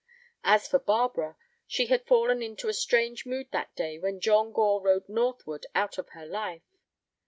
As for Barbara, she had fallen into a strange mood that day when John Gore rode northward out of her life.